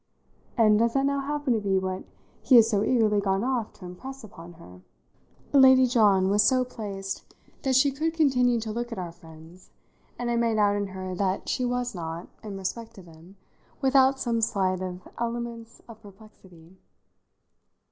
"And does that now happen to be what he has so eagerly gone off to impress upon her?" Lady John was so placed that she could continue to look at our friends, and I made out in her that she was not, in respect to them, without some slight elements of perplexity.